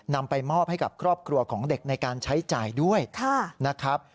นำไปมอบให้กับครอบครัวของเด็กในการใช้จ่ายด้วยนะครับ